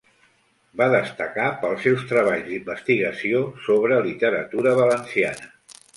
Va destacar pels seus treballs d'investigació sobre literatura valenciana.